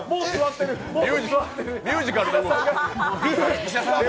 ミュージカル。